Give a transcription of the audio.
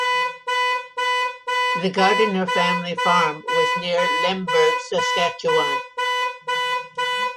The Gardiner family farm was near Lemberg, Saskatchewan.